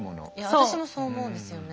私もそう思うんですよね